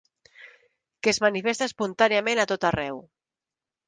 Que es manifesta espontàniament a tot arreu.